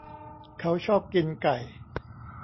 เขาชอบกินไก่